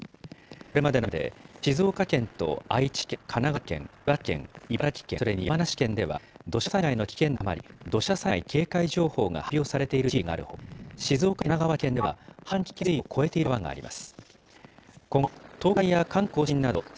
これまでの雨で、静岡県と愛知県、神奈川県、千葉県、茨城県、それに山梨県では、土砂災害の危険度が高まり、土砂災害警戒情報が発表されている地域があるほか、静岡県と神奈川県では氾濫危険水位を超えている川があります。